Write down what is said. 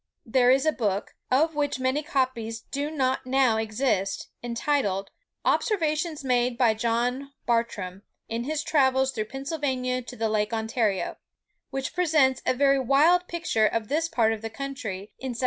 There is a book, of which many copies do not now exist, entitled, "Observations made by John Bartram, in his Travels through Pennsylvania to the Lake Ontario," which presents a very wild picture of this part of the country in 1743.